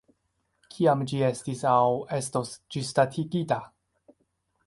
Kiam ĝi estis aŭ estos ĝisdatigita?